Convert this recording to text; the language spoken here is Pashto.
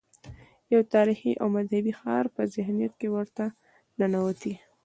د یو تاریخي او مذهبي ښار په ذهنیت کې ورته ننوتي.